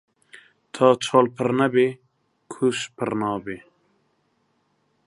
تا چاڵ پڕ نەبێ کۆش پڕ نابێ